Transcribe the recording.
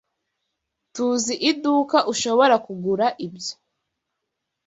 TUZI iduka ushobora kugura ibyo.